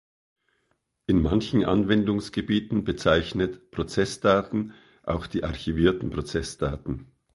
In manchen Anwendungsgebieten bezeichnet "Prozessdaten" auch die archivierten Prozessdaten.